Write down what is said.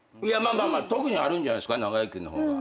特にあるんじゃないですか中居君の方が。